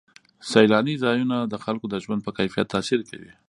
سیلاني ځایونه د خلکو د ژوند په کیفیت تاثیر کوي.